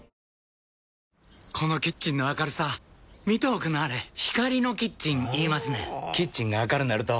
このキッチンの明るさ見ておくんなはれ光のキッチン言いますねんほぉキッチンが明るなると・・・